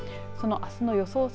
そのあすの予想